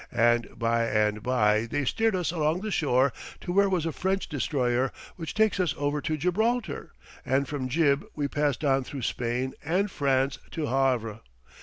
And by and by they steered us along the shore to where was a French destroyer, which takes us over to Gibraltar, and from Gib we passed on through Spain and France to Havre.